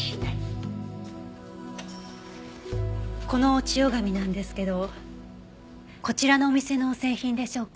この千代紙なんですけどこちらのお店の製品でしょうか？